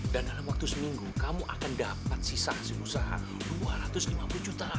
dan dalam waktu seminggu kamu akan dapat sisa seusaha dua ratus lima puluh juta